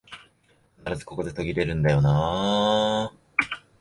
必ずここで途切れんだよなあ